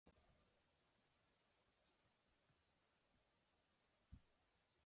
He and his family worked on making the trawler seaworthy.